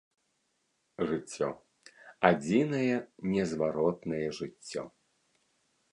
Жыццё, адзінае незваротнае жыццё.